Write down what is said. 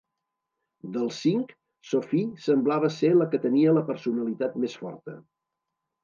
Dels cinc, Sophie semblava ser la que tenia la personalitat més forta.